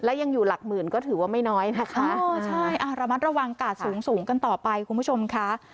และยังอยู่หลักหมื่นก็ถือว่าไม่น้อยนะคะใช่อ่าระมัดระวังกาศสูงสูงกันต่อไปคุณผู้ชมค่ะ